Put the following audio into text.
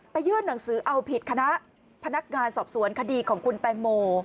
ไปยื่นหนังสือเอาผิดคพสคดีของคุณแตงโม